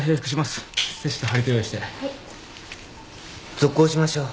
続行しましょう。